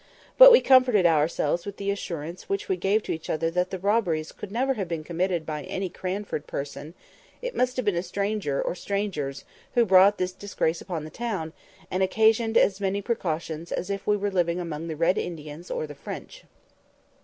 But we comforted ourselves with the assurance which we gave to each other that the robberies could never have been committed by any Cranford person; it must have been a stranger or strangers who brought this disgrace upon the town, and occasioned as many precautions as if we were living among the Red Indians or the French.